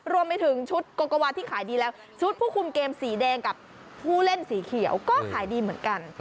รวมไปถึงชุดโกโกวาที่ขายดีแล้วชุดผู้คุมเกมสีแดงกับผู้เล่นสีเขียวก็ขายดีเหมือนกัน